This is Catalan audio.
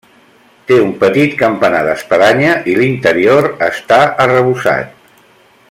Té un petit campanar d'espadanya i l'interior està arrebossat.